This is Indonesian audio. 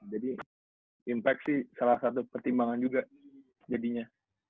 jadi impact sih salah satu pertimbangan juga jadinya